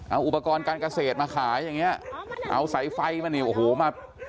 เอาอุปกรณ์การเกษตรมาขายอย่างเงี้ยเอาสายไฟมาเนี่ยโอ้โหมา